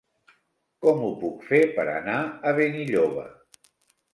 Com ho puc fer per anar a Benilloba?